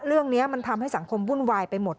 เรื่องนี้มันทำให้สังคมวุ่นวายไปหมด